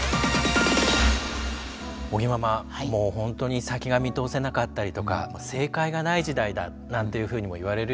尾木ママもう本当に先が見通せなかったりとか正解がない時代だなんていうふうにも言われるようになりましたよね。